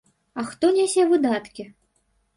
І хто нясе выдаткі?